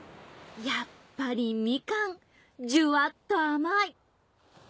やっぱりみかんじゅわっとあまい。